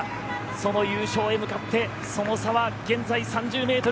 その優勝へ向かってその差は現在３０ｍ。